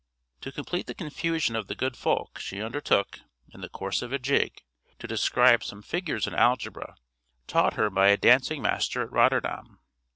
To complete the confusion of the good folk she undertook, in the course of a jig, to describe some figures in algebra taught her by a dancing master at Rotterdam.